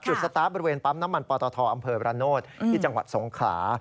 สตาร์ฟบริเวณปั๊มน้ำมันปตทอำเภอบรรโนธที่จังหวัดสงขลา